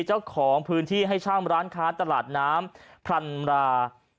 เจ้าของพื้นที่ให้ช่างร้านค้าตลาดน้ำพรรณรา